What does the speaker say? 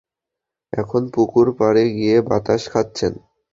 এখন পুকুর পাড়ে গিয়ে বাতাস খাচ্ছেন।